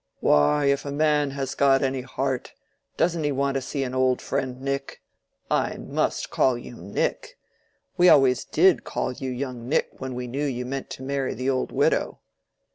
"Why, if a man has got any heart, doesn't he want to see an old friend, Nick?—I must call you Nick—we always did call you young Nick when we knew you meant to marry the old widow.